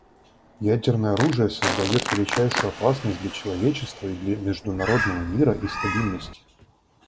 Ядерное оружие создает величайшую опасность для человечества и для международного мира и стабильности.